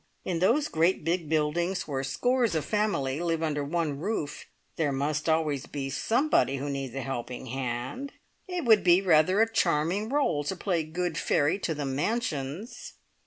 In those great big buildings, where scores of families live under one roof, there must always be somebody who needs a helping hand. It would be rather a charming role to play good fairy to the mansions!"